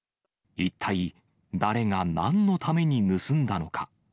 一体誰がなんのために盗んだのか。